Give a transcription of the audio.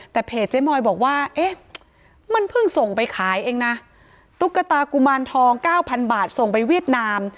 แต่เพจเจ๊มอยบอกว่าเอ๊ะมันเพิ่งส่งไปขายเองนะตุ๊กตากุมารทองเก้าพันบาทส่งไปเวียดนาม